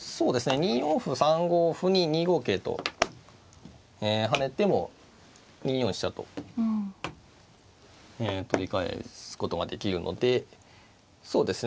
２四歩３五歩に２五桂と跳ねても２四飛車と取り返すことができるのでそうですね